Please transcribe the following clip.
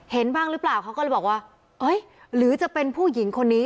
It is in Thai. บ้างหรือเปล่าเขาก็เลยบอกว่าเอ้ยหรือจะเป็นผู้หญิงคนนี้